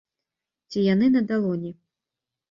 Ці яны на далоні.